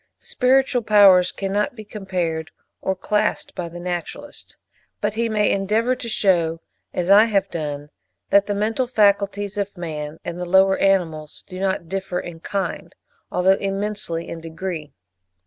Spiritual powers cannot be compared or classed by the naturalist: but he may endeavour to shew, as I have done, that the mental faculties of man and the lower animals do not differ in kind, although immensely in degree.